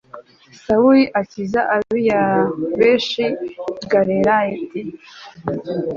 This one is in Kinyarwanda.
sawuli akiza ab i yabeshi y i galeyadi